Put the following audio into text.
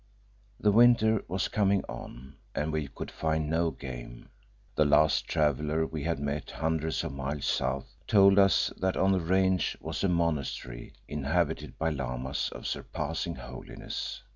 The winter was coming on and we could find no game. The last traveller we had met, hundreds of miles south, told us that on that range was a monastery inhabited by Lamas of surpassing holiness.